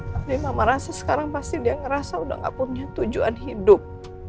tapi mama rasa sekarang pasti dia ngerasa udah gak punya tujuan hidup